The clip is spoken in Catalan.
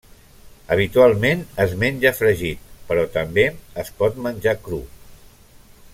Habitualment es menja fregit, però també es pot menjar cru.